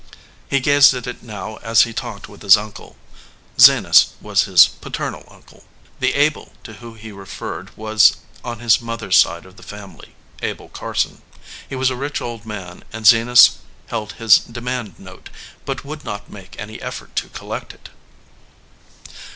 He gazed at it now as he talked with his uncle. Zenas was his paternal uncle. The Abel to whom he referred was on his mother s side of the family, Abel Car 215 EDGEWATER PEOPLE son. He was a rich old man and Zenas held his demand note, but would not make any effort to collect it.